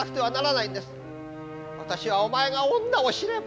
私はお前が女を知れば。